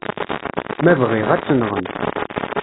Ma bɣiɣ, ad tt-nɣen.